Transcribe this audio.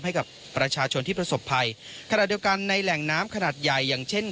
ให้กับประชาชนที่ประสบภัยขณะเดียวกันในแหล่งน้ำขนาดใหญ่อย่างเช่น